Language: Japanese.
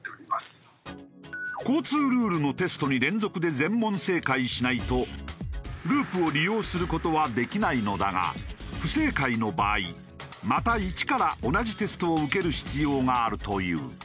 交通ルールのテストに連続で全問正解しないとＬｕｕｐを利用する事はできないのだが不正解の場合また一から同じテストを受ける必要があるという。